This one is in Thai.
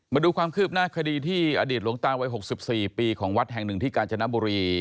มาดูความคืบหน้าคดีที่อดีตหลวงตาวัย๖๔ปีของวัดแห่งหนึ่งที่กาญจนบุรี